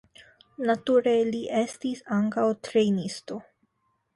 Nature li estis ankaŭ trejnisto.